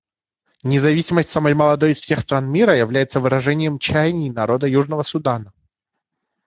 Независимость самой молодой из всех стран мира является выражением чаяний народа Южного Судана.